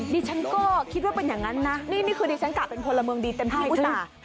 ดิฉันก็คิดว่าเป็นอย่างนั้นนะนี่คือดิฉันกะเป็นพลเมืองดีเต็มที่อุตส่าห์